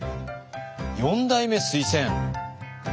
「四代目推薦！」。